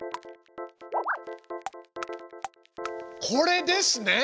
これですね！